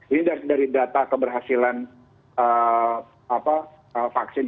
ini dari data keberhasilan vaksin